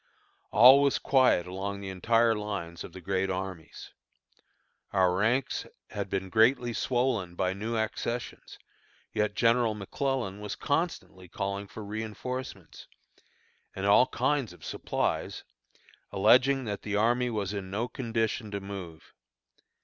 All was quiet along the entire lines of the great armies. Our ranks had been greatly swollen by new accessions; yet General McClellan was constantly calling for reënforcements, and all kinds of supplies, alleging that the army was in no condition to move.